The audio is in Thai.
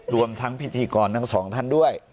รวมทั้งพิธีกรทั้งสองท่านด้วย